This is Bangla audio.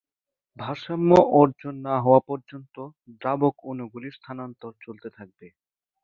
ভারসাম্য অর্জন না হওয়া পর্যন্ত দ্রাবক অণুগুলির স্থানান্তর চলতে থাকবে।